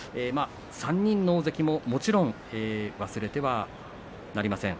３人の大関ももちろん忘れてはなりません。